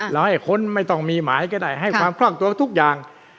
แล้วให้ค้นไม่ต้องมีหมายก็ได้ให้ความคล่องตัวทุกอย่าง